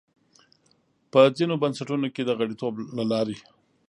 په ځینو بنسټونو کې د غړیتوب له لارې.